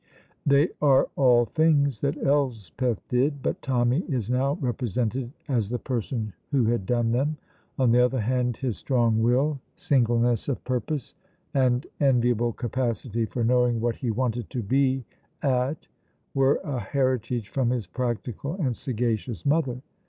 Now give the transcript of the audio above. They are all things that Elspeth did, but Tommy is now represented as the person who had done them. "On the other hand, his strong will, singleness of purpose, and enviable capacity for knowing what he wanted to be at were a heritage from his practical and sagacious mother."